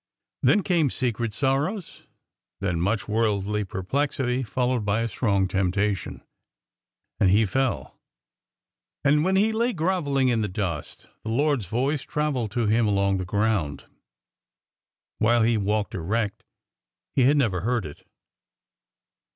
Then came secret sorrows then much worldly perplexity, followed by a strong temptation and he fell. And when he lay grovelling in the dust, the Lord's voice travelled to him along the ground. While he had walked erect, he had never heard it."